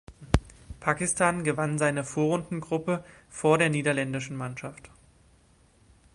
Pakistan gewann seine Vorrundengruppe vor der niederländischen Mannschaft.